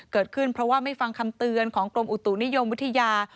เกิดขึ้นเพราะว่าไม่ฟังคำเตือนของกรมอุตุนิยมวิทยา